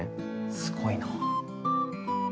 すごいな。